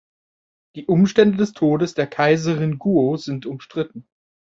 Die Umstände des Todes der Kaiserin Guo sind umstritten.